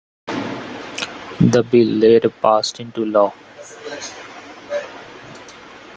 The bill later passed into law.